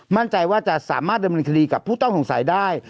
มั่นใจว่าจะสามารถดำเนินคดีกับผู้ต้องสงสัยได้